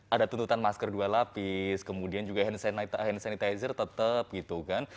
ada tuntutan masker dua lapis kemudian juga hand sanitizer tetap gitu kan